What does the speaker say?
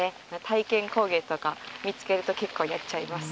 体験工芸とか見つけると結構やっちゃいます。